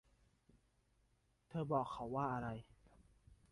เธอควรบอกเขาว่าอะไร